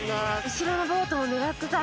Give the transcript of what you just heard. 後ろのボートを狙ってたんだ